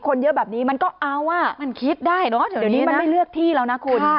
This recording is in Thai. คนเยอะแบบนี้มันก็เอาอ่ะมันคิดได้เนอะเดี๋ยวนี้มันไม่เลือกที่แล้วนะคุณ